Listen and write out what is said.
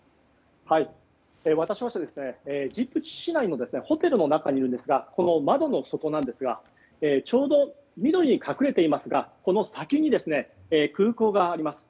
私はジブチ市内のホテルの中にいるんですがこの窓の外なんですがちょうど緑に隠れていますがこの先に空港があります。